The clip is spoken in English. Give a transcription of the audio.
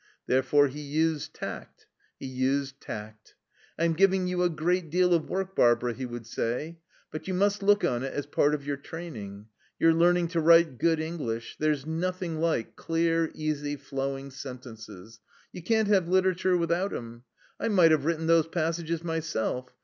Therefore he used tact. He used tact. "I'm giving you a great deal of work, Barbara," he would say. "But you must look on it as part of your training. You're learning to write good English. There's nothing like clear, easy, flowing sentences. You can't have literature without 'em. I might have written those passages myself.